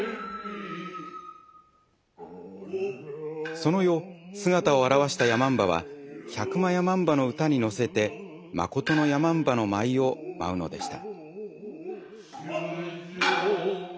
その夜姿を現した山姥は百魔山姥の歌に乗せてまことの山姥の舞を舞うのでした。